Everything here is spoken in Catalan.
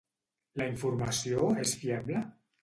La informació és fiable?